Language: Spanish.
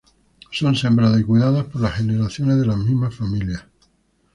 Son sembradas y cuidadas por las generaciones de las mismas familias.